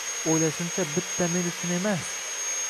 O`ylashimcha, bitta men uchun emas